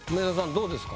どうですか？